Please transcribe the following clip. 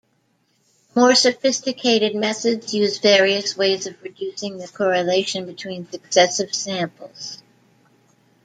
More sophisticated methods use various ways of reducing the correlation between successive samples.